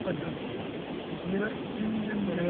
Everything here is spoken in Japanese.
あれ、全然見えない。